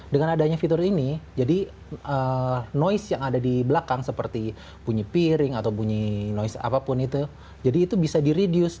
dengan adanya fitur ini jadi noise yang ada di belakang seperti bunyi piring atau bunyi noise apapun itu jadi itu bisa di reduce